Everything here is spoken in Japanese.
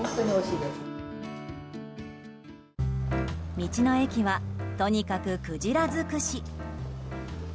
道の駅はとにかくクジラ尽くし。